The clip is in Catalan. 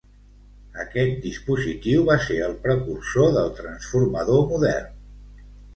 Aquest dispositiu va ser el precursor del transformador modern.